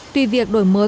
tuy việc đổi mới